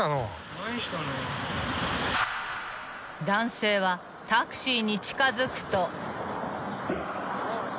［男性はタクシーに近づくと］